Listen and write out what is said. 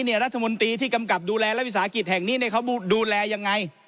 รัฐมนตรีที่กำกับดูแลและวิสาหกิจแห่งนี้เขาดูแลยังไง